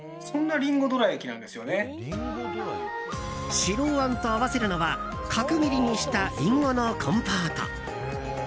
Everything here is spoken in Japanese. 白あんと合わせるのは角切りにしたリンゴのコンポート。